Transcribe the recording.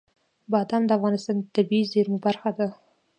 بادام د افغانستان د طبیعي زیرمو برخه ده.